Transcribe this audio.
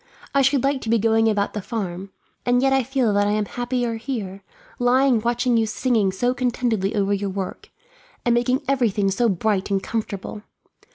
I should like to be going about the farm, and yet I feel that I am happier here, lying watching you singing so contentedly over your work, and making everything so bright and comfortable.